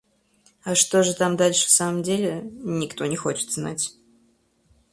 А что там дальше в самом деле, никто не хочет знать.